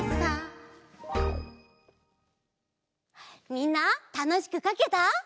みんなたのしくかけた？